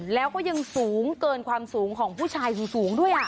แล้วก็ยังสูงเกินความสูงของผู้ชายสูงด้วย